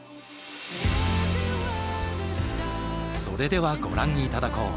それではご覧頂こう。